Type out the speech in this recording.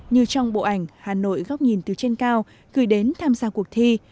như trong bộ ảnh hà nội góc nhìn từ trên cao gửi đến tham gia cuộc thi